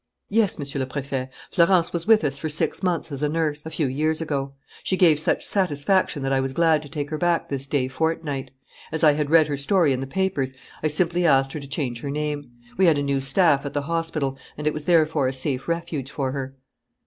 "Yes, Monsieur le Préfet. Florence was with us for six months as a nurse, a few years ago. She gave such satisfaction that I was glad to take her back this day fortnight. As I had read her story in the papers, I simply asked her to change her name. We had a new staff at the hospital, and it was therefore a safe refuge for her."